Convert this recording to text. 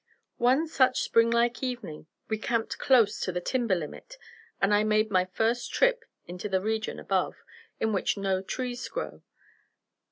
One such spring like evening we camped close to the timber limit, and I made my first trip into the region above, in which no trees grow.